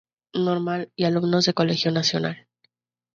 Normal y alumnos del Colegio Nacional.